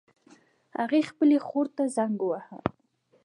هغې خپلې خور ته زنګ وواهه